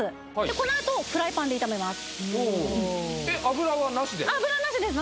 このあとフライパンで炒めます